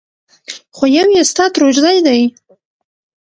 خو يو يې ستا ترورزی دی!